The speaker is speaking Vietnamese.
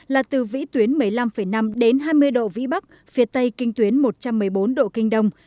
là từ vĩ tuyến một mươi năm năm đến hai mươi độ vĩ bắc phía tây kinh tuyến một trăm một mươi bốn độ kinh đông